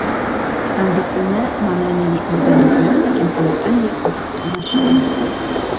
Հանդիպում է մանրէների օրգանիզմում, կենդանական և բուսական աշխարհում։